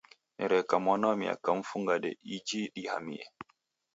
Nereka mwana wa miaka mfungade iji dihamie.